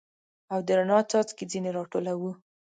او د رڼا څاڅکي ځیني را ټولوو